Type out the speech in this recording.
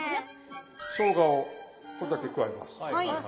しょうがをこれだけ加えます。